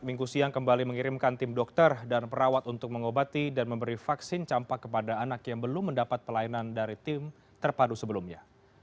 minggu siang kembali mengirimkan tim dokter dan perawat untuk mengobati dan memberi vaksin campak kepada anak yang belum mendapat pelayanan dari tim terpadu sebelumnya